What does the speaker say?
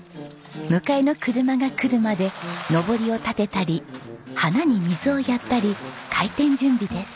迎えの車が来るまでのぼりを立てたり花に水をやったり開店準備です。